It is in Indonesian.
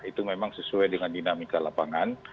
itu memang sesuai dengan dinamika lapangan